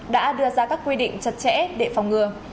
đã đưa ra các quy định chặt chẽ để phòng ngừa